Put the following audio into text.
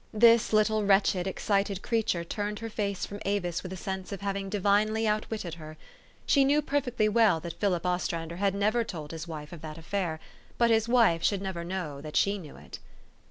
This little wretched, excited creature turned her face from Avis with a sense of having divinely outwitted her. She knew perfectly well that Philip Ostrander THE STORY OF AVIS. 301 had never told his wife of that affair ; but his wife should never know that she knew it.